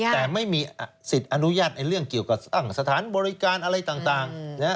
แต่ไม่มีสิทธิ์อนุญาตในเรื่องเกี่ยวกับตั้งสถานบริการอะไรต่าง